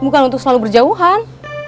bukan untuk selalu berjauhan